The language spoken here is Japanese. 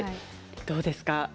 どうですか。